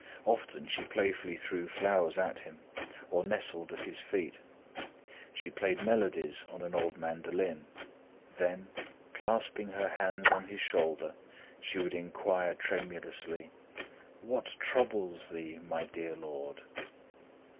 Often she playfully threw flowers at him or nestling at his feet, she played melodies on an old mandolin; then, clasping her hands on his shoulder, she would inquire tremulously: "What troubles thee, my dear lord?"